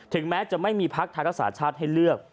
ถึงแม้จะไม่มีพรรคธรรมชาติให้เลือก